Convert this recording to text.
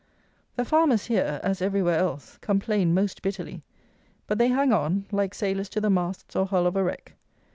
The farmers here, as every where else, complain most bitterly; but they hang on, like sailors to the masts or hull of a wreck.